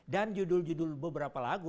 judul judul beberapa lagu